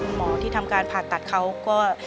หมอที่ทำการผ่าตัดเขาก็